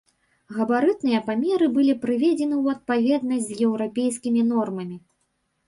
Габарытныя памеры былі прыведзены ў адпаведнасць з еўрапейскімі нормамі.